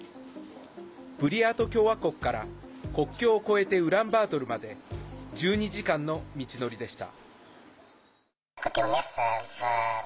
ブリヤート共和国から国境を越えてウランバートルまで１２時間の道のりでした。